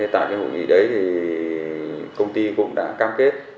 tại cái hội nghị đấy thì công ty cũng đã cam kết